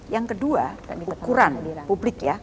yang kedua ukuran publik ya